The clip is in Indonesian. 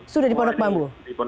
sudah di pondok bambu